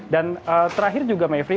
dan terakhir juga maivri